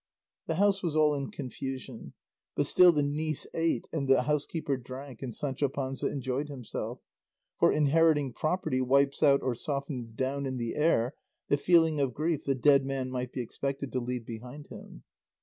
The house was all in confusion; but still the niece ate and the housekeeper drank and Sancho Panza enjoyed himself; for inheriting property wipes out or softens down in the heir the feeling of grief the dead man might be expected to leave behind him.